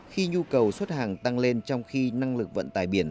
khi nhu cầu xuất hàng tăng lên trong khi năng lực vận tài biển